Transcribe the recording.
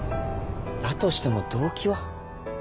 だとしても動機は？